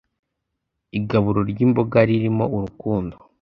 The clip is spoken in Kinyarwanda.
Igaburo ry’imboga ririmo urukundo